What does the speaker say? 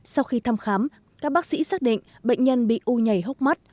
sau khi thăm khám các bác sĩ xác định bệnh nhân bị u nhảy hốc mắt